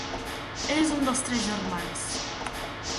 Ell és un dels tres germans.